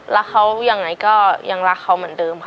รักเขายังไงก็ยังรักเขาเหมือนเดิมค่ะ